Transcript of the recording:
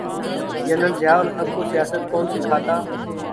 General Zia ul Haq کو سیاست کون سکھاتا۔